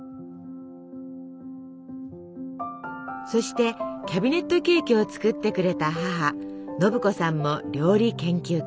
そしてキャビネットケーキを作ってくれた母信子さんも料理研究家。